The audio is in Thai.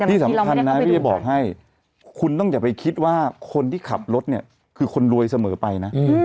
ที่สำคัญนะพี่จะบอกให้คุณต้องอย่าไปคิดว่าคนที่ขับรถเนี่ยคือคนรวยเสมอไปนะ